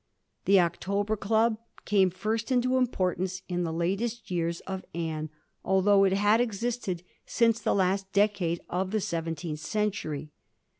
The October Club came first into importance in the latest years of Anne, although it had existed since the last decade of the seventeenth century.